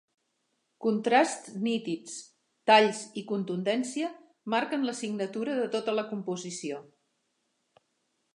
Contrasts nítids, talls i contundència marquen la signatura de tota la composició.